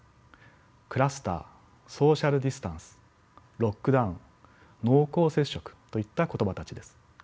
クラスターソーシャルディスタンスロックダウン濃厚接触といった言葉たちです。